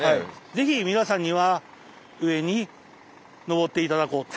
是非皆さんには上に登って頂こうと。